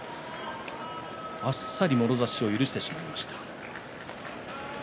あっさりもろ差しを許してしまいました。